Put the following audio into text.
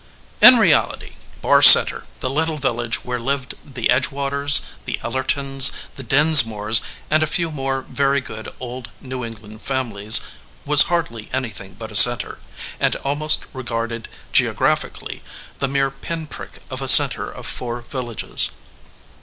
In reality, Barr Center, the little village where lived the Edgewaters, the Ellertons, the Dins mores, and a few more very good old New Eng land families, was hardly anything but a center, and almost, regarded geographically, the mere pin prick of a center of four villages.